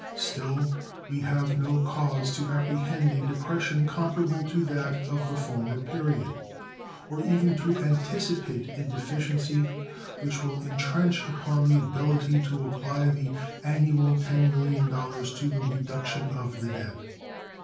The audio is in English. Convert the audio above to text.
Still, we have no cause to apprehend a depression comparable to that of the former period, or even to anticipate a deficiency which will intrench upon the ability to apply the annual $10 millions to the reduction of the debt.